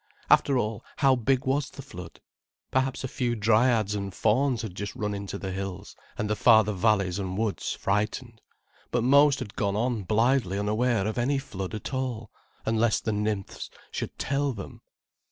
After all, how big was the Flood? Perhaps a few dryads and fauns had just run into the hills and the farther valleys and woods, frightened, but most had gone on blithely unaware of any flood at all, unless the nymphs should tell them.